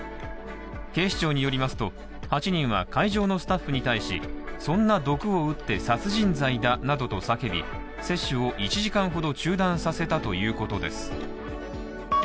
警視庁によりますと、８人は会場のスタッフに対しそんな毒を打って殺人罪だなどと叫び接種を１時間ほど中断させたということです。